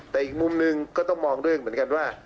แต่อีกมุมหนึ่งก็ต้องมองด้วยเหมือนกันว่า